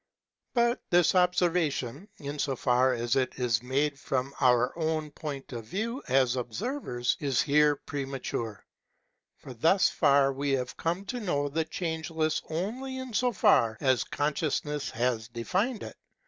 But this observation, in so far as it is made from our own point of view as observers, is here premature ; for thus far we have come to know the Changeless only in so far as consciousness has de nned it.